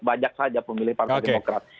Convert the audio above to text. banyak saja pemilih partai demokrat